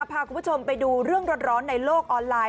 พาคุณผู้ชมไปดูเรื่องร้อนในโลกออนไลน